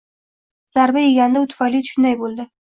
Zarba yeganda u tufayli shunday bo’li